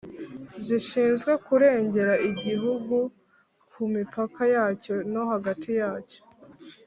zishinzwe kurengera igihugu ku mipaka yacyo no hagati yacyo